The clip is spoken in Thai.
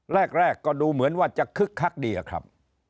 แรกก็ดูเหมือนว่าจะคึกคักดีอะครับ